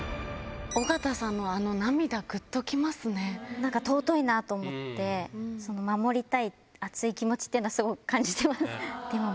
尾形さんのあの涙、ぐっときなんか尊いなと思って、その守りたい、熱い気持ちっていうのをすごく感じてます。